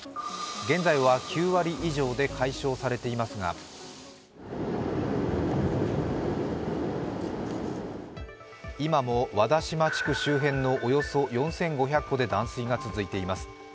現在は９割以上で解消されていますが今も和田島地区周辺のおよそ４５００戸で断水が続いています。